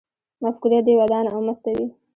مفکوره دې ودانه او مسته وي